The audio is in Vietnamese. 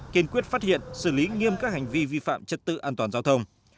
kiên quyết phát hiện xử lý nghiêm các hành vi vi phạm trật tự an toàn giao thông